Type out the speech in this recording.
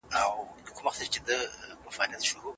په اسلام کي د هر څه لپاره توازن سته.